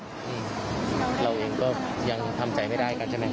เราเองก็ยังทำใจไม่ได้กันใช่ไหม